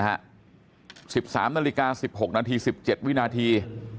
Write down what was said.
๑๓นาฬิกา๑๖นาที๑๗วินาที